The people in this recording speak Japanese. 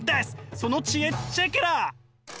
その知恵チェケラ！